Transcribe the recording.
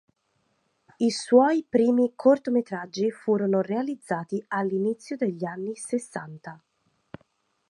I suoi primi cortometraggi furono realizzati all'inizio degli anni sessanta.